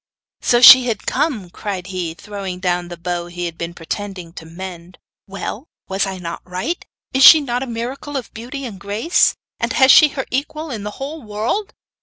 'So she had come!' cried he, throwing down the bow he had been pretending to mend. 'Well, was I not right? Is she not a miracle of beauty and grace? And has she her equal in the whole world?